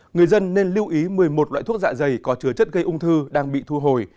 người dân nên lưu ý một mươi một loại thuốc dạ dày có chứa chất gây ung thư đang bị thu hồi